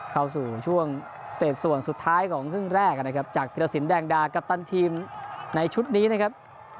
เข้าสู่ช่วงเศษส่วนสุดท้ายของครึ่งแรกนะครับจากธิรสินแดงดากัปตันทีมในชุดนี้นะครับ